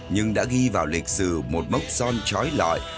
nhưng đã ghi vào lịch sử một mốc son chói lõi